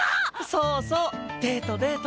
そうそうデートデート！